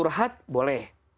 pertanyaannya curhat boleh